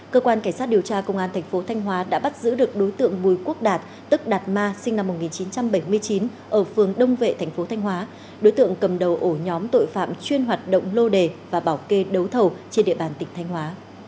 cơ quan cảnh sát điều tra công an thành phố thanh hóa đã bắt giữ được đối tượng bùi quốc đạt tức đạt ma sinh năm một nghìn chín trăm bảy mươi chín ở phường đông vệ thành phố thanh hóa đối tượng cầm đầu ổ nhóm tội phạm chuyên hoạt động lô đề và bảo kê đấu thầu trên địa bàn tỉnh thanh hóa